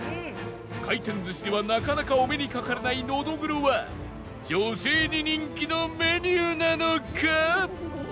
回転寿司ではなかなかお目にかかれないのどぐろは女性に人気のメニューなのか？